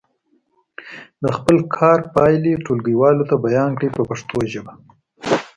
د خپل کار پایلې ټولګیوالو ته بیان کړئ په پښتو ژبه.